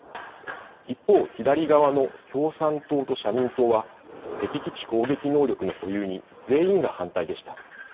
一方、左側の共産党と社民党は、敵基地攻撃能力の保有に全員が反対でした。